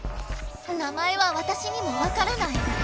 名前はわたしにもわからない。